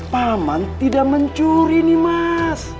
paman tidak mencuri nih mas